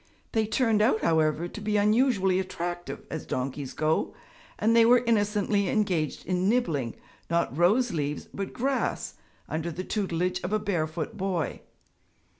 They turned out, however, to be unusually attractive, as donkeys go, and they were innocently engaged in nibbling, not rose leaves, but grass, under the tutelage of a barefoot boy.